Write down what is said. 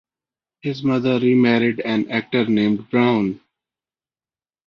His mother remarried an actor named Brown.